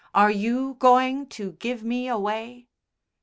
Are you going to give me away?"